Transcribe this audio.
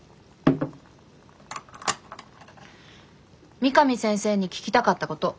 三上先生に聞きたかったこと。